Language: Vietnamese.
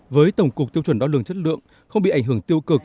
với tổng cục tiêu chuẩn đo lường chất lượng không bị ảnh hưởng tiêu cực